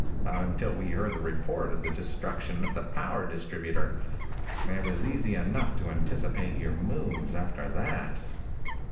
Not until we heard the report of the destruction of the power distributor. It was easy enough to anticipate your moves after that.